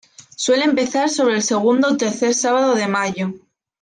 Suele empezar sobre el segundo ó tercer sábado de mayo.